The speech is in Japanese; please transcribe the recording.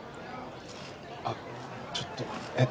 あのちょっとえっ？